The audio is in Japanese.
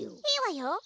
いいわよ。